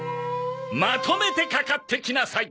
まとめてかかってきなさい！